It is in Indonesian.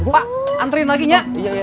pak anterin lagi nya